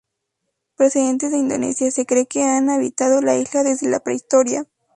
Procedentes de Indonesia se cree que han habitado la isla desde la prehistoria.